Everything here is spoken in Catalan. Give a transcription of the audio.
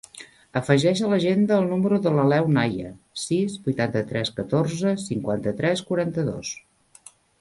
Afegeix a l'agenda el número de l'Aleu Naya: sis, vuitanta-tres, catorze, cinquanta-tres, quaranta-dos.